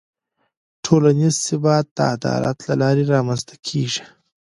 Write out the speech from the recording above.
ټولنیز ثبات د عدالت له لارې رامنځته کېږي.